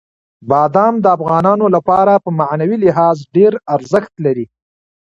بادام د افغانانو لپاره په معنوي لحاظ ډېر ارزښت لري.